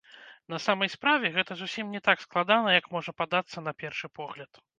На самай справе, гэта зусім не так складана, як можа падацца на першы погляд.